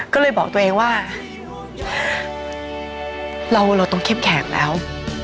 ก็เลยบอกตัวเองว่าเราต้องเข้มแข็งแล้ว